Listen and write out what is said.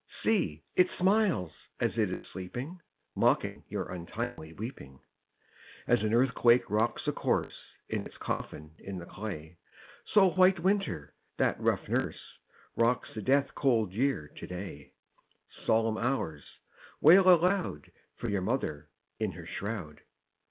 See, it smiles as it is sleeping, _5 Mocking your untimely weeping. 2. As an earthquake rocks a corse In its coffin in the clay, So White Winter, that rough nurse, Rocks the death cold Year to day; _10 Solemn Hours! wail aloud For your mother in her shroud.